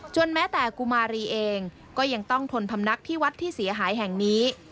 แม้แต่กุมารีเองก็ยังต้องทนพำนักที่วัดที่เสียหายแห่งนี้